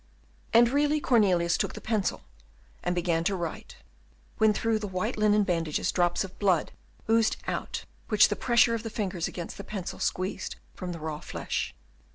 And really Cornelius took the pencil and began to write, when through the white linen bandages drops of blood oozed out which the pressure of the fingers against the pencil squeezed from the raw flesh.